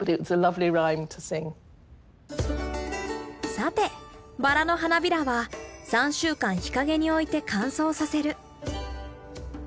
さてバラの花びらは３週間日陰に置いて乾燥させる。